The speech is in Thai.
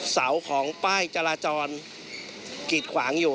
เสาของป้ายจราจรกีดขวางอยู่